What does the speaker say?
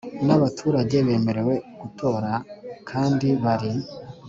n abaturage bemerewe gutora kandi bari